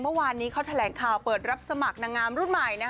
เมื่อวานนี้เขาแถลงข่าวเปิดรับสมัครนางงามรุ่นใหม่